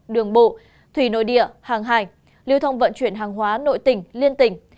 đường bộ thủy nội địa hàng hành liêu thông vận chuyển hàng hóa nội tỉnh liên tỉnh